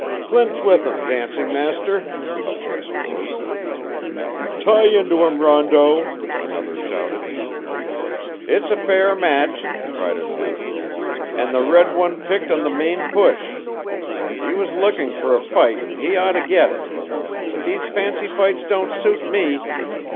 "Clinch with him, dancing master," a voice roared. "Tie into him, Rondeau," another shouted. "It's a fair match," cried another, "and the red one picked on the main push. He was looking for a fight, an' he ought to get it; but these fancy fights don't suit me.